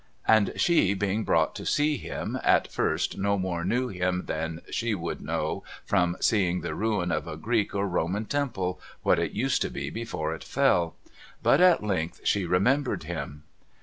And she, being brought to see him, at first no more knew him than she would know from seeing the ruin of a Greek or Roman 'I'emple, what it used to be before it fell ; but at length she remembered him.